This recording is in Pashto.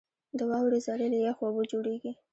• د واورې ذرې له یخو اوبو جوړېږي.